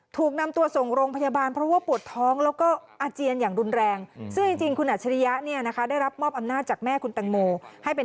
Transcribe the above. ถูกนำตัวส่งโรงพยาบาลเพราะว่าปวดท้อง